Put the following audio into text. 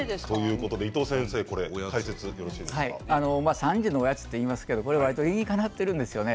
３時のおやつと言いますけど理にかなっているんですね。